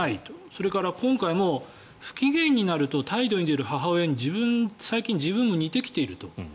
それから今回も不機嫌になると態度に出る母親に最近自分も似てきていると。